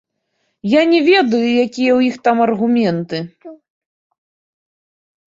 Я не ведаю, якія ў іх там аргументы.